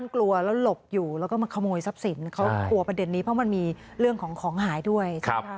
นั่นเกิดไม่เคยเชื่อกัน